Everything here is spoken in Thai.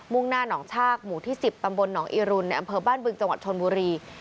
่งหน้าหนองชากหมู่ที่๑๐ตำบลหนองอีรุนในอำเภอบ้านบึงจังหวัดชนบุรี